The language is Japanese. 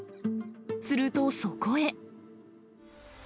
するとそこへ。